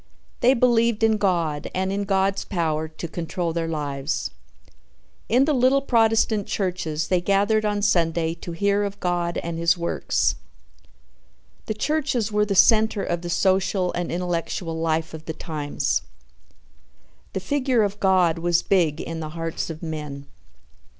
They believed in God and in God's power to control their lives. In the little Protestant churches they gathered on Sunday to hear of God and his works. The churches were the center of the social and intellectual life of the times. The figure of God was big in the hearts of men.